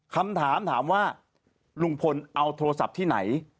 คำถามถามว่าลุงพลเอาโทรศัพท์ที่ไหน